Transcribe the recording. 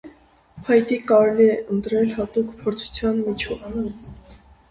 Փայտիկ կարելի է ընտրել հատուկ փորձության միջոցով։